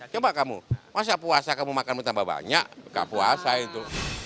coba kamu masa puasa kamu makan tambah banyak buka puasa itu